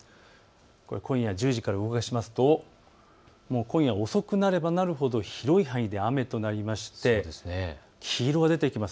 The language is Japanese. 今夜１０時から動かしますと今夜遅くなればなるほど広い範囲で雨となりまして黄色が出てきます。